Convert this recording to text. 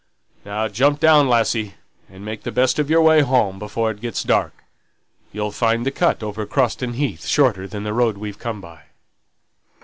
"Now jump down, lassie, and make the best of your way home before it gets dark. You'll find the cut over Croston Heath shorter than the road we've come by."